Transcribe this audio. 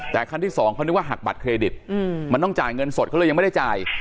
แต่คันที่สองเขานึกว่าหักบัตรเครดิตมันต้องจ่ายเงินสดเขาเลยยังไม่ได้จ่าย